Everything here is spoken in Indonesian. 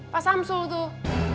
pak samsul tuh